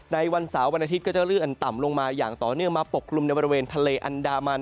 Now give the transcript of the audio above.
วันเสาร์วันอาทิตย์ก็จะลื่นอันต่ำลงมาอย่างต่อเนื่องมาปกกลุ่มในบริเวณทะเลอันดามัน